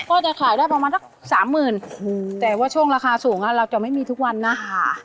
ก็จะขายได้ประมาณสักสามหมื่นแต่ว่าช่วงราคาสูงอ่ะเราจะไม่มีทุกวันนะค่ะ